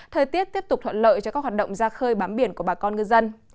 thời tiết tiếp tục thuận lợi cho các hoạt động ra khơi bám biển của bà con ngư dân